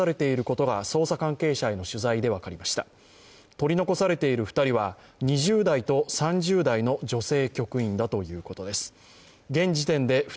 取り残されている２人は２０代と３０代の女性局員だということです。